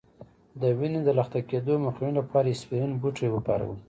د وینې د لخته کیدو مخنیوي لپاره اسپرین بوټی وکاروئ